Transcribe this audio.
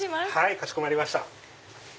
かしこまりました。